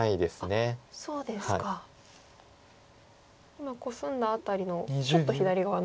今コスんだ辺りのちょっと左側の方。